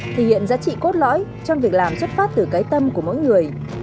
thể hiện giá trị cốt lõi trong việc làm xuất phát từ cái tâm của mỗi người